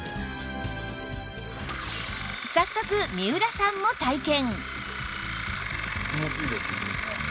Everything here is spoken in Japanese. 早速三浦さんも体験